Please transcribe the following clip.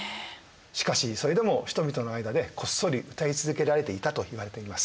しかしそれでも人々の間でこっそり歌い続けられていたといわれています。